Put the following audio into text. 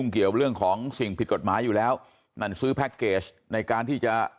เกี่ยวเรื่องของสิ่งผิดกฎหมายอยู่แล้วนั่นซื้อแพ็คเกจในการที่จะ